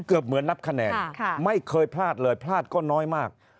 เหมือนนับคะแนนไม่เคยพลาดเลยพลาดก็น้อยมาก